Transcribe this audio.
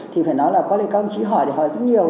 thì phải nói là có lẽ các ông chí hỏi để hỏi rất nhiều